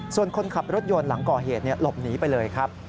ส่วนคนขับรถยนต์หลังก่อเหตุหลบหนีไปเลยครับ